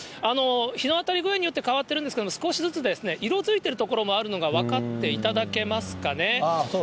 日の当たり具合によって変わってるんですけれども、少しずつ色づいている所もあるのが分かっていただけますかね。